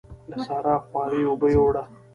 د سارا خواري اوبو يوړه.